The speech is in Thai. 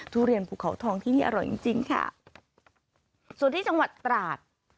ทุเรียนภูเขาทองที่นี่อร่อยจริงจริงค่ะส่วนที่จังหวัดตราด